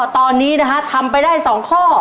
ตอนนี้นะฮะทำไปได้๒ข้อ